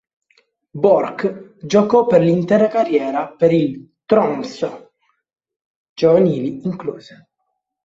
Borch giocò per l'intera carriera per il Tromsø, giovanili incluse.